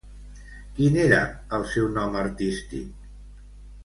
Quin era el seu nom artístic?